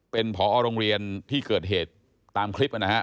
เป็นผอโรงเรียนที่เกิดเหตุตามคลิปนะฮะ